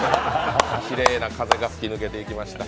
きれいな風が吹き抜けていきました。